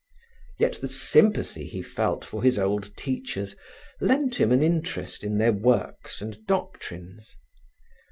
Yet the sympathy he felt for his old teachers lent him an interest in their works and doctrines.